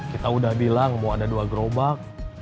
kita udah bilang mau ada dua gerobak